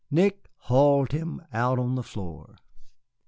Nick hauled him out on the floor.